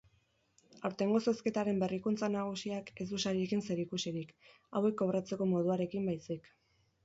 Aurtengo zozketaren berrikuntza nagusiak ez du sariekin zerikusirik, hauek kobratzeko moduarekin baizik.